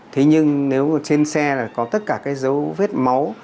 thế nhưng nếu trên xe có tất cả dấu vết máu